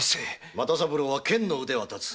又三郎は剣の腕は立つ。